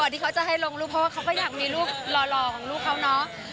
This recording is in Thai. ที่เขาจะให้ลงรูปเพราะว่าเขาก็อยากมีรูปหล่อของลูกเขาเนาะ